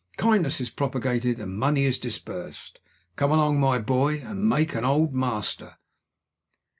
Kindness is propagated and money is dispersed. Come along, my boy, and make an Old Master!"